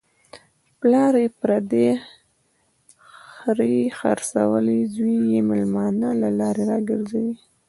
پلار یې پردۍ خرې خرڅولې، زوی یې مېلمانه له لارې را گرځوي.